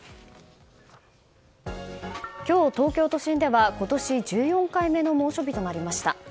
今日、東京都心では今年１４回目の猛暑日となりました。